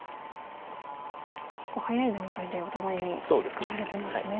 結構早い段階でお互いに使われてますね。